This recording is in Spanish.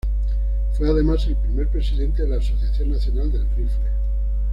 Fue además el primer presidente de la Asociación Nacional del Rifle.